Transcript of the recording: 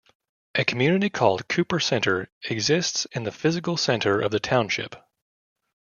A community called Cooper Center exists in the physical center of the township.